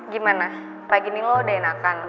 gimana pagi ini lo udah enakan